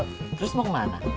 terus mau kemana